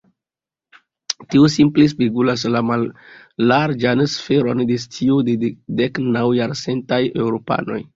Tio simple spegulas la mallarĝan sferon de scio de deknaŭajarcentaj eŭropanoj.